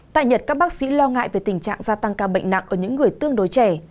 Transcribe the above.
tại nhật các bác sĩ lo ngại về tình trạng gia tăng ca bệnh nặng ở những người tương đối trẻ